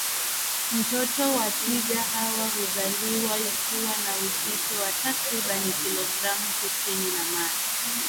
Mtoto wa twiga hawa huzaliwa akiwa na uzito wa takribani kilogramu tisini na mara